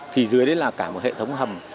thì dưới đấy là cả một hệ thống hầm